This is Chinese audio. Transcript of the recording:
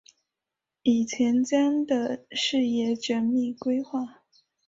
以前瞻的视野缜密规划